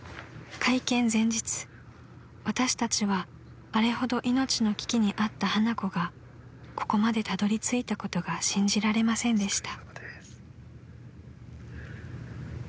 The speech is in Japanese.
［私たちはあれほど命の危機にあった花子がここまでたどり着いたことが信じられませんでした］